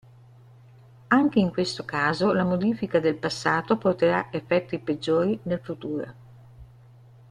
Anche in questo caso la modifica del passato porterà effetti peggiori nel futuro.